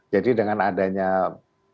jadi dengan adanya himauan bapak presiden